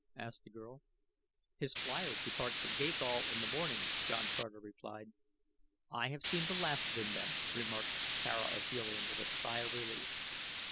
asked the girl. "His flier departs for Gathol in the morning," John Carter replied. "I have seen the last of him then," remarked Tara of Helium with a sigh of relief.